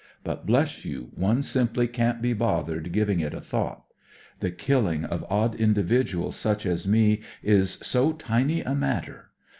But, bless you, one simply can't be bothered giving it a thought. The killing of odd individuals such as me is so tiny a matter.